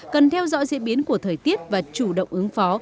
cần theo dõi diễn biến của thời tiết và chủ động ứng phó